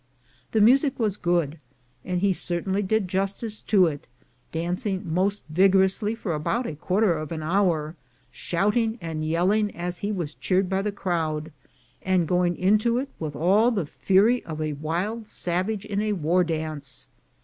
The music was good, and he certainly did justice to it; dancing most vigorously for about a quarter of an hour, shouting and yelling as he was cheered by the crowd, and going into it with all the fury of a wild savage in a war dance.